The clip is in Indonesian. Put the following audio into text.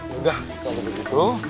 yaudah kalau begitu